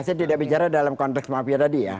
saya tidak bicara dalam konteks mafia tadi ya